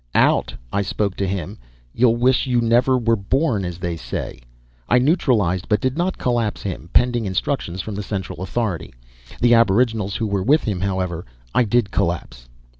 "Out!" I spoke to him, "you'll wish you never were 'born,' as they say!" I neutralized but did not collapse him, pending instructions from the Central Authority. The aboriginals who were with him, however, I did collapse.